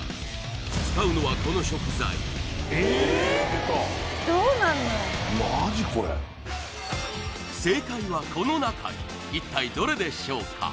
使うのはこの食材えっ正解はこの中に一体どれでしょうか？